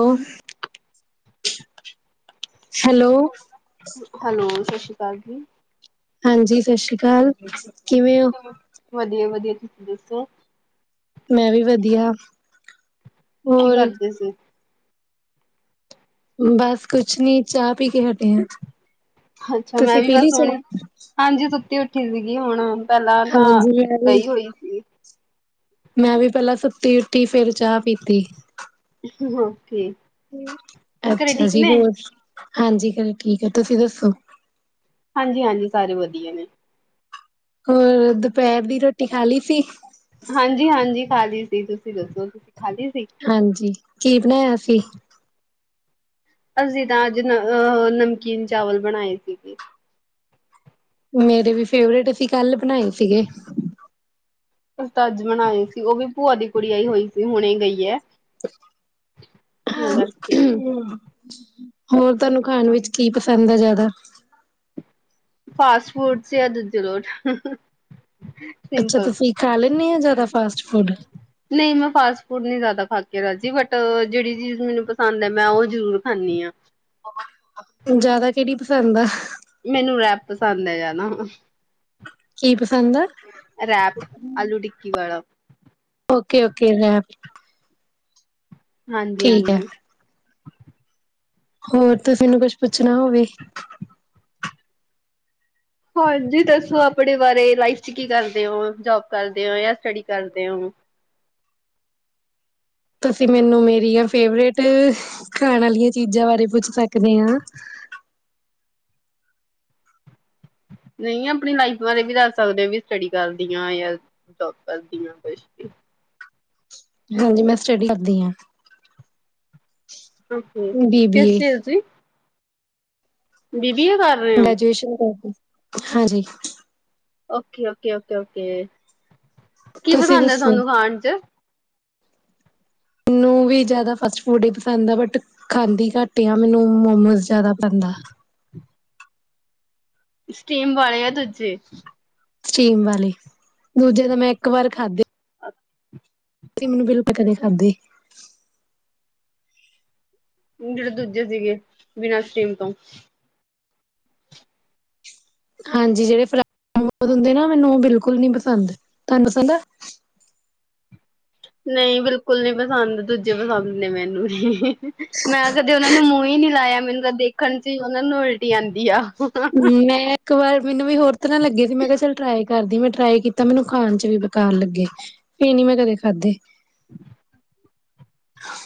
ਓ, hello. Hello ਸਤਿ ਸ਼੍ਰੀ ਅਕਾਲ ਜੀ। ਹਾਂਜੀ, ਸਤਿ ਸ੍ਰੀ ਅਕਾਲ, ਕਿਵੇਂ ਹੋ? [unintelligible] ਮੈਂ ਵੀ ਵਧੀਆ। ਕੀ ਹੋਰ ਕਰਦੇ ਸੀ? ਬਸ ਕੁਛ ਨੀ ਚਾਹ ਪੀ ਕੇ ਹਟੇ ਆ। ਅੱਛਾ, ਮੈਂ ਤੁਸੀਂ ਵੀ ਪੀ ਬਸ ਲਈ ਹੁਣੀ ਚਾਹ ਹਾਂਜੀ ਸੁੱਤੀ ਓ ਸੀਗੀ ਹੁਣ। ਪਹਿਲਾਂ ਤਾਂ ਹਾਂਜੀ ਮੈਂ ਵੀ ਗਈ ਹੋਈ ਸੀ। ਮੈਂ ਵੀ ਪਹਿਲਾਂ ਸੁਤੀ- ਉੱਠੀ ਫੇਰ ਚਾਹ ਪੀਤੀ। ਹਾਂ। ਅੱਛਾ ਜੀ, ਨੇ ਹੋਰ। ਹਾਂਜੀ, ਘਰੇ ਠੀਕ ਹੈ, ਤੁਸੀਂ ਦੱਸੋ? ਹਾਂਜੀ-ਹਾਂਜੀ ਸਾਰੇ ਵਧੀਆ ਨੇ। ਹੋਰ ਦੁਪਹਿਰ ਦੀ ਰੋਟੀ ਖਾ ਲਈ ਸੀ? ਹਾਂਜੀ-ਹਾਂਜੀ। ਖਾ ਲਈ ਸੀ, ਤੁਸੀਂ ਦੱਸੋ? ਖਾ ਲਈ ਸੀ। ਹਾਂਜੀ। ਕੀ ਬਣਾਇਆ ਸੀ? ਅਸੀਂ ਤਾਂ ਅੱਜ ਅਹ ਨਮਕੀਨ ਚਾਵਲ ਬਣਾਏ ਸੀਗੇ। ਮੇਰੇ ਵੀ ਫੇਵਰੇਟ ਸੀ ਕੱਲ ਬਣਾਏ ਸੀਗੇ। ਤਾ ਅੱਜ ਬਣਾਏ ਸੀ ਉਹ ਵੀ ਭੂਆ ਦੀ ਕੁੜੀ ਆਈ ਹੋਈ ਸੀ ਹੁਣੇ ਗਈ ਹੈ। ਤਾਂ [unintelligible] ਕਰਕੇ ਹੋਰ ਤੁਹਾਨੂੰ ਖਾਣ ਵਿੱਚ ਕੀ ਪਸੰਦ ਹੈ ਜ਼ਿਆਦਾ? ਫਾਸਟ ਫੂਡ ਯਾ [unintelligible] ਅੱਛਾ ਤੁਸੀਂ ਖਾ ਲੈਂਦੇ ਆ ਜ਼ਿਆਦਾ ਫਾਸਟ ਫੂਡ? ਹੁਣ ਨੀ ਜ਼ਿਆਦਾ ਖਾ ਕੇ ਰਾਜੀ ਬਟ ਜਿਹੜੀ ਚੀਜ਼ ਮੈਨੂੰ ਪਸੰਦ ਹੈ ਮੈਂ ਉਹ ਜ਼ਰੂਰ ਖਾਂਨੀ ਆ। ਜਿਆਦਾ ਕਿਹੜੀ ਪਸੰਦ ਆ? ਮੈਨੂੰ ਰੈਪ ਪਸੰਦ ਹੈ ਹਣਾ ਕੀ ਪਸੰਦ ਆ? ਰੈਪ ਆਲੂ- ਟਿੱਕੀ ਵਾਲਾ। ਓਕੇ ਓਕੇ ਰੈਪ ਠੀਕ ਹੈ ਹਾਂਜੀ-ਹਾਂਜੀ ਹੋਰ ਤੁਸੀ ਮੈਨੂੰ ਕੁਛ ਪੁੱਛਣਾ ਹੋਵੇ। ਹਾਂਜੀ ਦੱਸੋ ਆਪਣੇ ਬਾਰੇ ਲਾਈਫ ਚ ਕੀ ਕਰਦੇ ਹੋ ਜੋਬ ਕਰਦੇ ਹੋ ਸਟਡੀ ਕਰਦੇ ਹੋ? ਤੁਸੀਂ ਮੈਨੂੰ ਮੇਰੀਆਂ ਫੇਵਰਟ ਖਾਣ ਵਾਲੀਆਂ ਚੀਜ਼ਾਂ ਬਾਰੇ ਪੁੱਛ ਸਕਦੇ ਹਾਂ। ਨਹੀਂ ਆਪਣੀ ਲਾਈਫ ਬਾਰੇ ਵੀ ਦੱਸ ਸਕਦੇ ਹੋ ਵੀ ਸਟੱਡੀ ਕਰਦੀ ਹ ਯਾ ਜੋਬ ਕਰਦੀ ਹ ਕੁਛ ਵੀ। ਹਾਂਜੀ ਮੈਂ ਸਟਡੀ ਕਰਦੀ ਹਾਂ ਆਹੋ ਬੀ ਬੀ ਕਿਸ ਏ ਚੀਜ਼ ਦੀ [unintelligible] ਰਹੇ ਹੋ ਗ੍ਰੈਜੂਏਸ਼ਨ ਕਰਦੀ ਹਾਂਜੀ ਓਕੇ ਓਕੇ ਓਕੇ ਓਕੇ ਕੀ ਤੁਸੀਂ ਪਸੰਦ ਹੈ ਦੱਸੋ ਤੁਹਾਨੂੰ ਖਾਣ ਚ ਮੈਨੂੰ ਵੀ ਜ਼ਿਆਦਾ ਫਾਸਟ ਫੂਡ ਹੀ ਪਸੰਦ ਆ ਬਟ ਖਾਂਦੀ ਘੱਟ ਆ ਮੈਨੂੰ ਮੋਮੋਸ ਜ਼ਿਆਦਾ ਪਸੰਦ ਆ ਸਟੀਮ ਵਾਲੇ ਆ ਦੂਜੇ ਸਟੀਮ ਵਾਲੇ ਦੂਜੇ ਤਾਂ ਮੈਂ ਇੱਕ ਵਾਰ ਖਾਧੇ ਅੱ [unintelligible] ਅਂ ਮੈਨੂੰ ਬਿਲੁਲ ਕਦੇ ਖਾਧੇ ਜਿਹੜੇ ਦੂਜੇ ਸੀਗੇ ਬਿਨਾਂ ਸਟੀਮ ਤੋਂ ਹਾਂਜੀ ਜਿਹੜੇ ਹੁੰਦੇ ਨਾ ਮੈਨੂੰ ਉਹ ਬਿਲਕੁਲ ਨੀ ਪਸੰਦ ਤੁਹਾਨੂੰ ਪਸੰਦ ਆ ਨਹੀਂ ਬਿਲਕੁਲ ਨੀ ਪਸੰਦ ਦੂਜੇ ਪਸੰਦ ਨੇ ਮੈਨੂੰ ਹੀ ਮੈਂ ਕਦੇ ਉਹਨਾ ਨੂੰ ਮੂੰਹ ਹੀ ਨੀ ਲਾਇਆ ਮੈਨੂੰ ਕਦੇ ਦੇ ਹਾਂਜੀ ਉਹਨਾਂ ਨੂੰ ਉਲਟੀ ਆਉਂਦੀ ਆ ਹ ਮੈਂ ਇੱਕ ਵਾਰ ਮੈਨੂੰ ਵੀ ਹੋਰ ਨਾ ਲੱਗੇ ਸੀ ਮੈਂ ਕਿਹਾ ਚੱਲ ਟਰਾਈ ਕਰਦੀ ਮੈਂ ਟਰਾਈ ਕੀਤਾ ਮੈਨੂੰ ਖਾਣ ਚ ਵੀ ਬੇਕਾਰ ਲੱਗੇ ਫਿਰ ਨੀ ਮੈਂ ਕਦੇ ਖਾਧੇ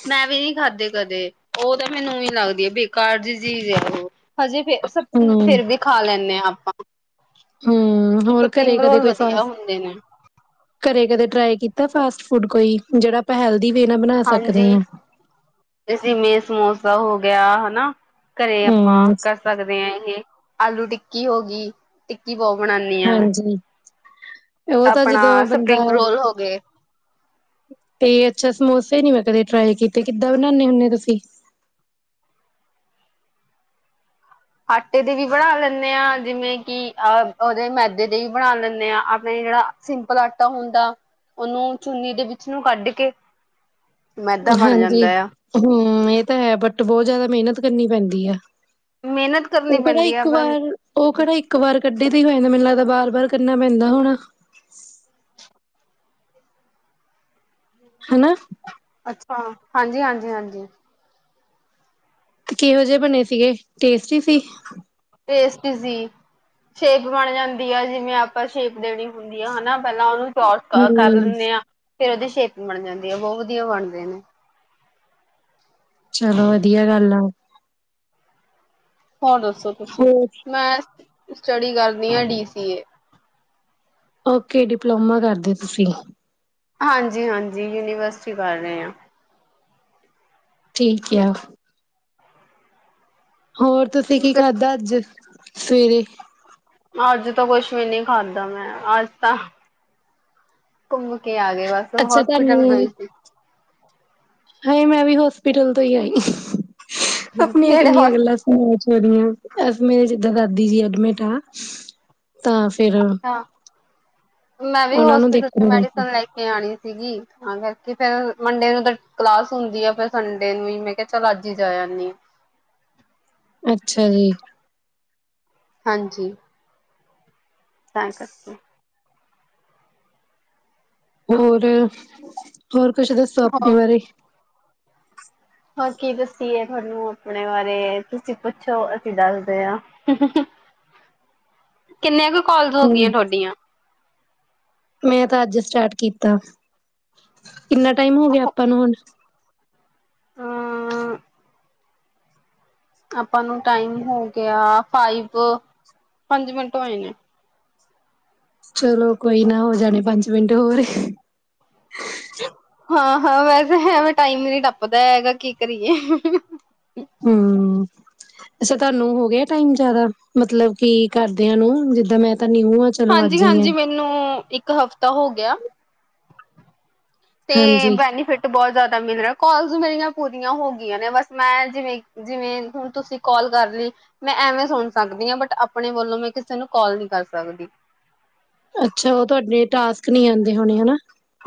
ਮੈਂ ਵੀ ਨੀ ਖਾਧੇ ਕਦੇ ਉਹ ਤਾਂ ਮੈਨੂੰ ਲੱਗਦੀ ਹੈ ਬੇਕਾਰ ਜ ਜੀ ਅਜੇ ਵੀ ਸਭ ਫਿਰ ਖਾ ਲੈਂਦੇ ਆਂ ਹਾਂ ਹਮ ਹੋਰ ਘਰੇ ਸਪਰਿੰਗ ਕਦੇ ਰੋਲ ਕੋਈ ਵਧੀਆ ਫਸ ਹੁੰਦੇ ਨੇ ਘਰੇ ਕਦੇ ਟ੍ਰਈ ਕੀਤਾ ਫਾਸਟ ਫੂਡ ਕੋਈ ਜਿਹੜਾਲ ਹਾਂਜੀ ਜਿਵੇਂ ਸਮੋਸਾ ਹੋ ਗਿਆ ਹਨ ਨ ਘਰੇ ਆਪਾਂ ਹੂੰ ਕਰ ਸਕਦੇ ਹਾਂ ਇਹ ਆਲੂ ਟਿੱਕੀ ਹੋ ਗਈ ਟਿੱਕੀ ਬਹੁਤ ਬਣਾਉਦੀ ਹਾਂ ਮੈਂ ਹਾਂਜੀ ਉਹ ਤਾਂ ਆਪਣਾ ਜਦੋਂ ਬੰਦਾ ਸਪਰਿੰਗ ਰੋਲ ਹੋ ਗਏ। ਇਹ ਅੱਛਾ ਸਮੋਸਾ ਨੀ ਮੈਂ ਕਦੇ ਟਰਾਈ ਕੀਤੇ ਕਿੱਦਾਂ ਬਣਾਦੇ ਹੁੰਦੇ ਤੁਸੀਂ ਆਟੇ ਦੇ ਵੀ ਬਣਾ ਲੈਂਦੇ ਹਾਂ ਜਿਵੇਂ ਕਿ ਅਹ ਉਹਦੇ ਮੈਦੇ ਦੇ ਵੀ ਬਣਾ ਲੈਂਦੇ ਆਾਂ ਆਪਣੇ ਜਿਹੜਾ ਸਿੰਪਲ ਆਟਾ ਹੁੰਦਾ ਉਹਨੂੰ ਚੁੰਨੀ ਦੇ ਵਿੱਚ ਨੂੰ ਕੱਢ ਕੇ ਮੈਦਾ ਬਣ ਹਾਂਜੀ ਜਾਂਦਾ ਆ ਹਮ ਹਮ ਇਹ ਤਾਂ ਹੈ ਬਟ ਬਹੁਤ ਜਿਆਦਾ ਮਿਹਨਤ ਕਰਨੀ ਪੈਂਦੀ ਹੈ ਮਿਹਨਤ ਕਰਨੀ ਉਹ ਕਿਹੜਾ ਪੈਂਦੀ ਆ ਇੱਕ ਪਰ ਵਾਰ ਉਹ ਕਿਹੜਾ ਇੱਕ ਵਾਰ ਕੱਢੇ ਤੇ ਹੋ ਜਾਂਦਾ ਮੈਨੂੰ ਲੱਗਦਾ ਬਾਰ ਬਾਰ ਕਰਨਾ ਪੈਂਦਾ ਹੋਣਾ। ਹਨਾ। ਅੱਛਾ ਹਾਂਜੀ -ਹਾਂਜੀ -ਹਾਂਜੀ। ਤੇ ਕਿਹੋ ਜਿਹੇ ਬਣੇ ਸੀਗੇ ਟੇਸਟੀ ਸੀ। ਟੇਸਟੀ ਸੀ ।ਸ਼ੇਪ ਬਣ ਜਾਂਦੀ ਆ ਜਿਵੇਂ ਆਪਾਂ ਸ਼ੇਪ ਦੇਣੀ ਹੁੰਦੀ। ਹਨਾ ਪਹਿਲਾਂ ਜੋ ਚੋਰਸ ਕਰ ਹਮ ਲੇਣੇ ਆਂ। ਫੇਰ ਉਦੀ ਸ਼ੇਪ ਬਣ ਜਾਂਦੀ ਆ। ਬਹੁ ਵਧੀਆ ਬਣਦੇ ਨੇ। ਚਲੋ ਵਧੀਆ ਗੱਲ ਆ। ਹੋਰ ਦੱਸੋ ਤੁਸੀਂ। ਹੋਰ ਮੈਂ- ਸਟਡੀ ਕਰਨੀ ਆ D C A. Okay diploma ਕਰਦੇ ਤੁਸੀਂ। ਹਾਂਜੀ -ਹਾਂਜੀ ਯੂਨੀਵਸਟੀ ਕਰ ਰਏ ਆਂ। ਠੀਕ ਆ। ਹੋਰ ਤੁਸੀਂ ਕੀ ਖਾਧਾ ਅੱਜ? ਸਵੇਰੇ। ਅੱਜ ਤਾਂ ਕੁਛ ਵੀ ਨੀ ਖਾਧਾ ਮੈਂ ।ਅੱਜ ਤਾਂ- ਘੁੰਮ ਕੇ ਆ ਗਏ ਬਸ। ਅੱਛਾ ਹੋਸਪਿਟਲ ਗਈ ਤੁਹਾਨੂੰ ਸੀ। ਹਾਏ -ਮੈਂ ਵੀ ਹੋਸਪਿਟਲ ਤੋਂ ਈ ਆਈ ਆਪਣੀਆਂ ਕਿਹੜੇ ਕਿੰਨੀਆਂ ਗੱਲਾਂ ਹੋਸਪਿਟਲ ਸੁਣੋ ਅੱਜ। ਕੇਰੀਆ ਅਸ ਮੇਰੇ ਜਿੱਦਾ ਦਾਦੀ ਜੀ ਐਡਮਿਟ ਆ। ਤਾਂ ਫਿਰ ਅੱਛਾ- ਮੈਂ ਵੀ ਉਹਨਾਂ ਨੂੰ ਹੋਸਪਿਟਲ 'ਚੋ ਦੇਖਣ ਗਏ ਸੀ ਮੈਡੀਸਨ ਲੈਕੇ ਆਣੀ। ਸੀਗੀ ਤਾਂ ਕਰਕੇ ਫਿਰ ਮੰਡੇ ਨੂੰ ਤਾ ਕਲਾਸ ਹੁੰਦੀ ਆ ਫਿਰ ਸੰਡੇ ਨੂੰ ਹੀ ਮੈਂ ਕਿਹਾ ਚੱਲ ਅੱਜ ਹੀ ਜਏ ਆਨੀ ਆ। ਅੱਛਾ ਜੀ। ਹਾਂਜੀ ਤਾਂ ਕਰਕੇ। ਹੋਰ ਹੋਰ ਕੁਛ ਦੱਸੋ ਹੋ ਆਪਣੇ ਬਾਰੇ। ਹੋਰ ਕੀ ਦੱਸੀਏ ਤਾਨੂੰ ਆਪਣੇ ਬਾਰੇ ਤੁਸੀਂ ਪੁੱਛੋ ਅਸੀਂ ਦੱਸਦੇ ਹਾਂ-ਹਹੂੰਹੂੰ। ਕਿੰਨੇ ਕੁ ਕੋਲਜ ਹੋ ਗਈਆਂ ਹੂੰ ਤੁਹਾਡੀਆਂ। ਮੈਂ ਤਾਂ ਅੱਜ ਸਟਾਰਟ ਕੀਤਾ। ਕਿੰਨਾ ਟਾਈਮ ਹੋ ਗਿਆ ਆਪਾਂ ਨੂੰ ਹੁਣ? ਅ ਆਪਾਂ ਨੂੰ ਟਾਈਮ ਹੋ ਗਿਆ ।ਫਾਈਵ ਪੰਜ ਮਿੰਟ ਹੋਏ ਨੇ। ਚਲੋ ਕੋਈ ਨਾ ਹੋ ਜਾਣੇ ਪੰਜ ਮਿੰਟ ਹੋਰ। ਹਾਂ -ਹਾਂ ਵੈਸੇ ਹੈ ਮ ਟਾਈਮ ਈ ਨਹੀਂ ਟੱਪਦਾ ਹੈਗਾ ਕੀ ਕਰੀਏ। ਹੂੰਅ-ਅੱਛਾ ਤਾਨੂੰ ਹੋ ਗਿਆ ਟਾਈਮ ਜਿਆਦਾ, ਮਤਲਬ ਕੀ ਕਰਦਿਆਂ ਨੂੰ ।ਜਿੱਦਾਂ ਮੈਂ- ਤਾਂ ਨੀਊ ਆ ਚਲੋ ਅੱਜ ਈ ਆ। ਹਾਂਜੀ-ਹਾਂਜੀ ਮੈਨੂੰ ਇੱਕ ਹਫ਼ਤਾ ਹੋ ਗਿਆ। ਤੇ ਹਾਂਜੀ ਬੈਨੀਫਿਟ ਬਹੁਤ ਜ਼ਾਦ- ਮਿਲ ਰਿਹਾ। ਕਾਲਸ ਮੇਰੀਆਂ ਪੂਰੀਆਂ ਹੋ ਗਈਆਂ ਨੇ। ਬਸ ਮੈਂ, ਜਿਵੇਂ-ਜਿਵੇਂ ਹੁ ਤੁਸੀਂ ਕਾਲ ਕਰ ਲਈ, ਮੈਂ ਐਵੇਂ ਸੁਣ ਸਕਦੀ ਹਾਂ ਬਟ ਆਪਣੇ ਵੱਲੋਂ ਮੈਂ ਕਿਸੇ ਨੂੰ ਕਾਲ ਨੀ ਕਰ ਸਕਦੀ। ਅੱਛਾ, ਉਹ ਤੁਹਾਡੇ ਟਾਸਕ ਨਹੀਂ ਆਉਂਦੇ ਹੋਣੇ ਨਾ?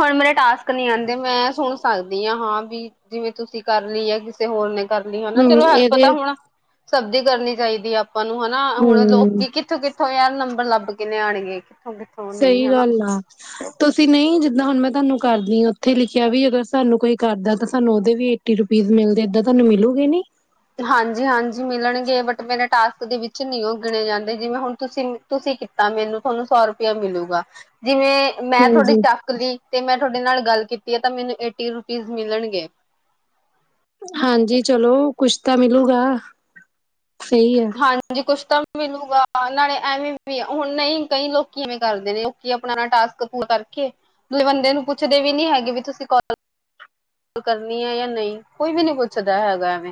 ਹੁਣ ਮੇਰੇ ਟਾਸਕ ਨਹੀਂ ਆਂਦੇ। ਮੈਂ ਸੁਣ ਸਕਦੀ ਹਾਂ। ਹਾਂ ਵੀ, ਜਿਵੇਂ ਤੁਸੀਂ ਕਰ ਲਈ ਆ, ਕਿਸੇ ਹੋਰ ਨੇ ਕਰਨੀ ਹਨਾ। ਹੂੰ ਚਲੋ, ਹੈਲਪ ਤਾਂ ਇਹਦੇ ਹੁਣ ਸਬਦੀ ਕਰਨੀ ਚਾਹੀਦੀ ਆਪ ਆਪਾਂ ਨੂੰ ਹਨਾ। ਹੁਣ ਹੂੰ ਲੋਕੀ ਕਿੱਥੋਂ-ਕਿੱਥੋਂ ਯਾਰ ਨੰਬਰ ਲੱਭ ਕਿੰਨੇ ਆਉਣਗੇ ਇੱਕ ਸਹੀ ਗੱਲ ਆ। ਤੁਸੀਂ ਨਹੀਂ ਜ ਨਾ, ਹੁਣ ਮੈਂ ਤੁਹਾਨੂੰ ਕਰਦੀ ਹਾਂ। ਉੱਥੇ ਲਿਖਿਆ ਵੀ, ਅਗਰ ਸਾਨੂੰ ਕੋਈ ਕਰਦਾ ਤਾਂ ਸਾਨੂੰ ਉਹਦੇ ਵੀ ਏਟੀ ਰੁਪੀਜ਼ ਮਿਲਦੇ। ਏਦਾਂ ਤੁਹਾਨੂੰ ਮਿਲੂਗੇ ਨੀ। ਹਾਂਜੀ, ਹਾਂਜੀ, ਮਿਲਣਗੇ। ਬਟ ਮੇਰੇ ਟਾਸਕ ਦੇ ਵਿੱਚ ਨਹੀਂ ਉਹ ਗਿਣੇ ਜਾਂਦੇ। ਜਿਵੇਂ ਹੁਣ ਤੁਸੀਂ ਤੁਸੀਂ ਕੀਤਾ ਮੈਨੂੰ, ਤੁਹਾਨੂੰ ਸੌ ਰੁਪਇਆ ਮਿਲੂਗਾ। ਜਿਵੇਂ ਮੈਂ ਥੋਡੀ ਹਾਂਜੀ ਚੱਕ ਲਈ ਤੇ ਮੈਂ ਤੁਹਾਡੇ ਨਾਲ ਗੱਲ ਕੀਤੀ ਹੈ ਤਾਂ, ਮੈਨੂੰ ਏਟੀ ਰੁਪੀਜ਼ ਮਿਲਣਗੇ। ਹਾਂਜੀ। ਚਲੋ ਕੁਛ ਤਾਂ ਮਿਲੂਗਾ। ਸਹੀ ਹੈ ਹਾਂਜੀ। ਕੁਛ ਤਾਂ ਮਿਲੂਗਾ। ਨਾਲੇ ਐਵੇਂ ਵੀ ਹੁਣ ਨਹੀਂ, ਕਈ ਲੋਕ ਕਿਵੇਂ ਕਰਦੇ ਨੇ? ਲੋਕ ਆਪਣਾ ਟਾਸਕ ਪੂਰਾ ਕਰਕੇ ਬੰਦੇ ਨੂੰ ਪੁੱਛਦੇ ਵੀ ਨੀ, ਹੈਗੇ ਵੀ ਤੁਸੀਂ ਕੋਲ ਕਰਨੀ ਹੈ ਜਾਂ ਨਹੀਂ? ਕੋਈ ਵੀ ਨੀ ਪੁੱਛਦਾ, ਹੈਗਾ ਐਵੇਂ।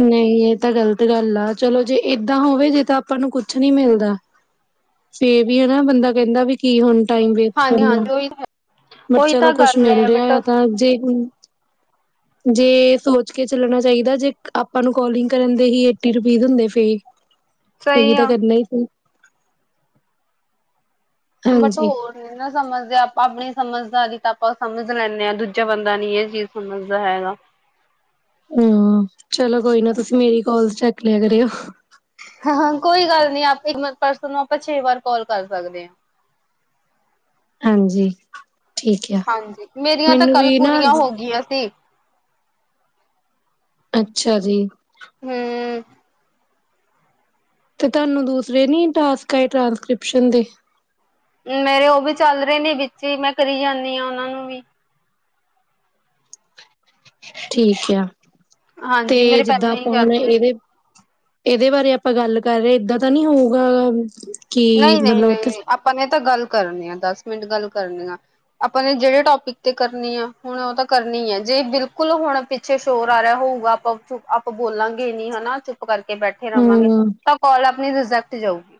ਨਹੀਂ, ਇਹ ਤਾਂ ਗ਼ਲਤ ਗੱਲ ਆ। ਚਲੋ ਜੇ ਏਦਾਂ ਹੋਵੇ ਜੇ ਤਾਂ ਆਪਾਂ ਨੂੰ ਕੁਛ ਨੀ ਮਿਲਦਾ। ਫੇਹ ਵੀ ਹਨ ਨਾ? ਬੰਦਾ ਕਹਿੰਦਾ ਵੀ ਕੀ, ਹੁਣ ਟਾਈਮ ਵੇਸਟ ਹਾਂਜੀ ਕਰਨਾ। ਹਾਂਜੀ ਉਹੀ ਬਟ ਉਹੀ ਚਲੋ ਤਾਂ ਕੁਛ ਗੱਲ ਮਿਲ ਹੈ ਰਿਹਾ ਬਟ ਆ ਤਾਂ ਜੇ ਜੇ ਸੋਚ ਕੇ ਚੱਲਣਾ ਚਾਹੀਦਾ ਜੇ ਆਪਾਂ ਨੂੰ ਕਾਲਿੰਗ ਕਰਨ ਦੇ ਹੀ ਏਟੀ ਰੁਪੀਦ ਹੁੰਦੇ ਫੇ ਇਹ ਵੀ ਸਹੀ ਤਾਂ ਆ ਕਰਨਾ ਹੀ ਸੀ ਬਟ ਹਾਂਜੀ ਹੋਰ ਨ ਨਾ ਸਮਝਦੇ ਆਪਾਂ ਆਪਣੀ ਸਮਝਦਾ ਨੀ ਤਾਂ ਆਪਾਂ ਸਮਝ ਲੈਂਦੇ ਹਾਂ। ਦੂਜਾ ਬੰਦਾ ਨੀ ਇਹ ਚੀਜ਼ ਸਮਝਦਾ ਹੈਗਾ। ਹੂੰ। ਚਲੋ ਕੋਈ ਨਾ, ਤੁਸੀਂ ਮੇਰੀ ਕਾਲਸ ਚੱਕ ਲਿਆ ਕਰਿਓ। ਹਹ। ਕੋਈ ਗੱਲ ਨੀ [unintelligible] ਪਰਸਨ ਨੂੰ ਆਪਾਂ ਛੇ ਵਾਰ ਕਾਲ ਕਰ ਸਕਦੇ ਹ। ਹਾਂਜੀ। ਠੀਕ ਆ ਹਾਂਜੀ। ਮੇਰੀਆਂ ਤਾਂ ਮੈਨੂੰ ਕੱਲ ਵੀ ਨਾ ਪੂਰੀਆਂ ਹੋ ਗਈਆਂ ਸੀ। ਅੱਛਾ ਜੀ। ਹੂੰ। ਤੇ ਤਹਾਨੂੰ ਦੂਸਰੇ ਨੀ ਟਾਸਕ ਆਏ ਟ੍ਰਾਂਸਕ੍ਰਿਪਸ਼ਨ ਦੇ? ਮੇਰੇ ਉਹ ਵੀ ਚੱਲ ਰਹੇ ਨੇ, ਵਿੱਚ ਹੀ ਮੈਂ ਕਰੀ ਜਾਂਦੀ ਹ ਉਹਨਾਂ ਨੂੰ ਵੀ। ਠੀਕ ਯਾ। ਤੇ ਹਾਂਜੀ ਮੇਰੇ ਪਹਿਲਾਂ ਜਿੱਦਾਂ ਹੀ ਆਪਾਂ ਚੱਲ ਹੁਣ ਰਹੇ ਇਹਦੇ ਇਹਦੇ ਬਾਰੇ ਆਪਾਂ ਗੱਲ ਕਰ ਰਹੇ ਏਦਾਂ ਤਾਂ ਨਹੀਂ ਹੋਊਗਾ ਕਿ ਨਹੀਂ, ਨਹੀਂ, ਮਤਲਬ ਨਹੀਂ, ਉੱਥੇ ਨਹੀਂ। ਅੱਪਾ ਨੇ ਤਾਂ ਗੱਲ ਕਰਨੀ ਆ ਦਸ ਮਿੰਟ ਗੱਲ ਕਰਨੀ ਆ। ਆਪਾਂ ਨੇ ਜਿਹੜੇ ਟੋਪਿਕ ਤੇ ਕਰਨੀ ਆ ਹੁਣ ਉਹ ਤਾਂ ਕਰਨੀ ਹੈ। ਜੇ ਬਿਲਕੁਲ ਹੁਣ ਪਿੱਛੇ ਸ਼ੋਰ ਆ ਰਿਹਾ ਹੋਊਗਾ, ਆਪਾਂ ਆਪਾਂ ਬੋਲਾਂਗੇ ਨੀ ਹਨਾ ਚੁੱਪ ਕਰਕੇ ਕੇ ਬੈਠੇ ਰਵਾਂਗੇ। ਹਮ ਤਾਂ ਕਾਲ ਆਪਣੀ ਰਿਜ਼ੈਕਟ ਜਾਊਗੀ।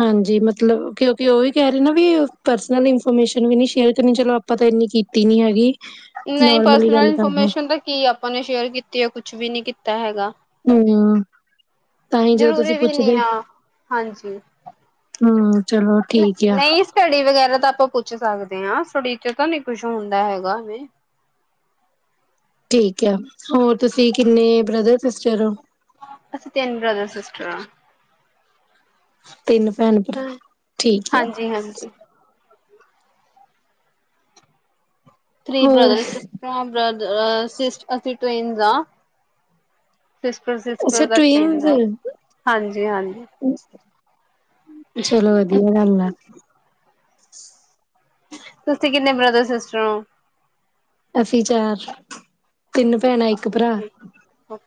ਹਾਂਜੀ। ਮਤਲਬ, ਕਿਉਂਕਿ ਉਹ ਵੀ ਕਹਿ ਰਹੇ ਨਾ ਵੀ ਪਰਸਨਲ ਇਨਫੋਰਮੇਸ਼ਨ ਵੀ ਨੀ ਸ਼ੇਅਰ ਕਰਨੀ। ਚਲੋ ਆਪਾਂ ਤਾਂ ਇੰਨੀ ਕੀਤੀ ਨੀ ਹੈਗੀ। ਨਹੀਂ ਨੋਰਮਲੀ ਪਰਸਨਲ ਗੱਲ ਕਰ ਰਹੇ ਇਨਫੋਰਮੇਸ਼ਨ ਤਾਂ ਕੀ ਆਪਾਂ ਨੇ ਸ਼ੇਅਰ ਕੀਤੀ ਹੈ ਕੁਛ ਕੁਛ ਵੀ ਨਹੀਂ ਕੀਤਾ ਹੈਗਾ ਹਮ ਤਾਂਹੀ ਜਦੋਂ ਤੁਸੀਂ ਜ਼ਰੂਰੀ ਵੀ ਨੀ ਪੁੱਛਦੇ ਆ ਹਾਂਜੀ ਹਮ ਚਲੋ ਠੀਕ ਆ ਨਹੀਂ ਸਟੱਡੀ ਵਗੈਰਾ ਤਾਂ ਆਪਾਂ ਪੁੱਛ ਸਕਦੇ [unintelligible] ਠੀਕ ਹੈ ਹੋਰ ਤੁਸੀਂ ਕਿੰਨੇ ਬ੍ਰਦਰ ਸਿਸਟਰ ਹੋ ਅੱਛਾ ਤਿੰਨ ਬ੍ਰਦਾਰ ਸਿਸਟਾਰਾਂ ਤਿੰਨ ਭੈਣ ਭਰਾ ਠੀਕ ਆ ਹਾਂਜੀ ਹਾਂਜੀ ਥ੍ਰਰੀ ਹੋਰ ਬ੍ਰਦਰ ਬਦਰ ਅ ਸਿਸ ਅਸੀਂ ਟਵਿਨਜ਼ ਆ ਅੱਛਾ ਟਵਿਨਸ [unintelligible] ਚਲੋ ਵਧੀਆ ਗੱਲ ਆ ਤੁਸੀਂ ਕਿੰਨੇ ਬ੍ਰਦਰ ਸਿਸਟਰ ਓ ਅਸੀਂ ਚਾਰ ਤਿੰਨ ਭੈਣਾਂ ਇੱਕ ਭਰਾ ਓ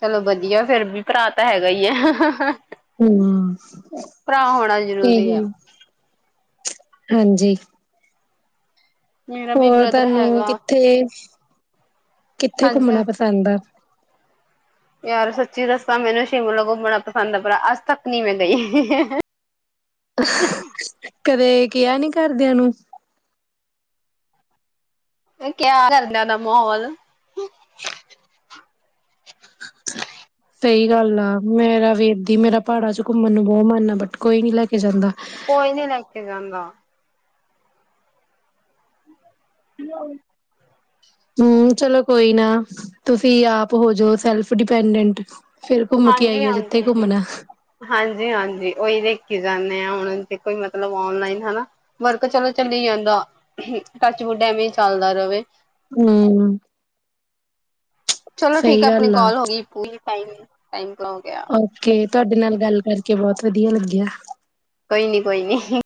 ਚਲੋ ਵਧੀਆ ਫੇਰ ਵੀ ਭਰਾ ਤਾਂ ਹੈਗਾ ਹੈ ਹਮ ਹਮ ਭਰਾ ਹੋਣਾ ਜ਼ਰੂਰੀ ਹੈ ਹਮ ਹਾਂਜੀ, ਮੇਰਾ ਵੀ ਹੋਰ ਬ੍ਰਦਰ ਤੁਹਾਨੂੰ ਹੈਗਾ ਕਿੱਥੇ-ਕਿੱਥੇ ਹਾਂਜੀ ਘੁੰਮਣਾ ਹਾਂ। ਪਸੰਦ ਐ। ਯਾਰ ਸੱਚੀ ਦੱਸਾਂ ਮੈਨੂੰ ਸ਼ਿਮ ਲਗਾ ਬੜਾ ਪਸੰਦ ਆ ਪਰ ਅੱਜ ਤੱਕ ਨੀ ਮੈਂ ਗਈ। ਕਦੇ, ਕਿਹਾ ਨੀ ਘਰਦਿਆਂ ਨੂੰ, ਕਿਆ ਘਰਦਿਆਂ ਦਾ ਮਾਹੌਲ, ਸਹੀ ਗੱਲ ਆ ਮੇਰਾ ਵੇਦੀ ਮੇਰਾ ਪਹਾੜਾਂ ਚ ਘੁੰਮਣ ਨੂੰ ਬਹੁਤ ਮਨ ਆ ਬਟ ਕੋਈ ਨੀ ਲੈ ਕੇ ਜਾਂਦਾ। ਕੋਈ ਨੀ ਲੈ ਕੇ ਜਾਂਦਾ। ਹੂੰ, ਚਲੋ ਕੋਈ ਨਾ ਤੁਸੀਂ ਆਪ ਹੋਜੋ ਸੈਲਫ ਡਿਪੈਂਡੈਂਟ, ਫਿਰ ਘੁੰਮ ਕੇ ਆਈਓ ਜਿੱਥੇ ਘੁੰਮਣਾ ਹਾਂਜੀ-ਹਾਂਜੀ-ਹਾਂਜੀ-ਹਾਂਜੀ ਉਹੀ ਦੇ, ਜਾਂਦੇ ਹਾਂ ਹੁਣ ਕੋਈ ਮਤਲਬ ਔਨਲਾਈਨ ਹਨਾ ਵਰਕ ਚਲੋ ਚੱਲ ਜਾਂਦਾ ਟੱਚ ਵੁਡ ਐਵੇਂ ਚੱਲਦਾ ਰਹੇ। ਹੂੰ, ਚਲੋ ਠੀਕ ਸਹੀ ਹੈ ਆਪਣੀ ਗੱਲ ਆ ਕਾਲ ਹੋ ਗਈ ਪੁਰੀ, ਟਾਈ ਟਾਈਮ, ਹੋ ਗਿਆ ਓਕੇ ਤੁਹਾਡੇ ਨਾਲ ਗੱਲ ਕਰਕੇ ਬਹੁਤ ਵਧੀਆ, ਵਧੀਆ ਲੱਗਿਆ। ਕੋਈ ਨੀ, ਕੋਈ ਨੀ।